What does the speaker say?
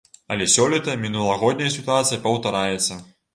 Але сёлета мінулагодняя сітуацыя паўтараецца!